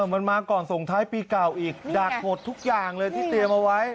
มันมาก่อนส่งท้ายปีเก่าอีกดักหมดทุกอย่างเลยที่เตรียมเอาไว้